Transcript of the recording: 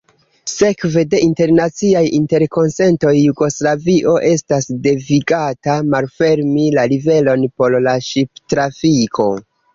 Sekve de internaciaj interkonsentoj Jugoslavio estas devigata malfermi la riveron por la ŝiptrafiko.